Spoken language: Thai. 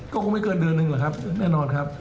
ก็คงไม่เกินเดือนหนึ่งหรอกครับแน่นอนครับ